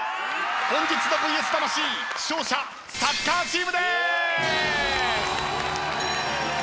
本日の『ＶＳ魂』勝者サッカーチームです！